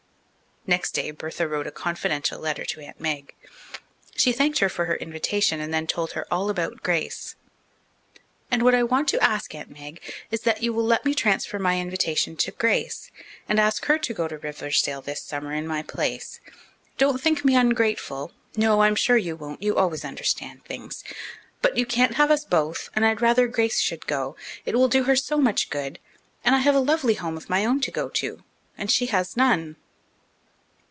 Next day Bertha wrote a confidential letter to Aunt Meg. She thanked her for her invitation and then told her all about Grace. "And what I want to ask, Aunt Meg, is that you will let me transfer my invitation to Grace, and ask her to go to Riversdale this summer in my place. Don't think me ungrateful. No, I'm sure you won't, you always understand things. But you can't have us both, and I'd rather Grace should go. It will do her so much good, and I have a lovely home of my own to go to, and she has none."